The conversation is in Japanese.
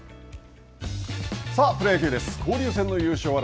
さあ、プロ野球です。